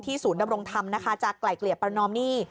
ศูนย์ดำรงธรรมนะคะจะไกล่เกลี่ยประนอมหนี้